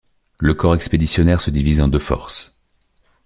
Le corps expéditionnaire se divise en deux forces.